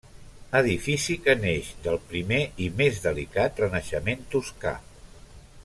Edifici que neix del primer i més delicat renaixement toscà.